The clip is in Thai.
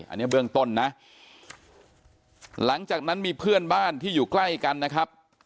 อันนี้เบื้องต้นนะหลังจากนั้นมีเพื่อนบ้านที่อยู่ใกล้กันนะครับ